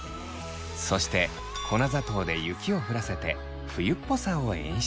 そして粉砂糖で雪を降らせて冬っぽさを演出。